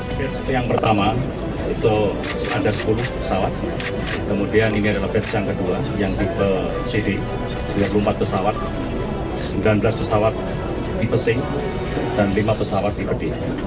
pesawat yang pertama itu ada sepuluh pesawat kemudian ini adalah pesawat yang kedua yang di cd dua puluh empat pesawat sembilan belas pesawat di pc dan lima pesawat di bd